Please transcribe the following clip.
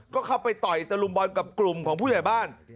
ก็เข้าไปต่อยตะลุมบอลกับกลุ่มของผู้ใหญ่บ้าน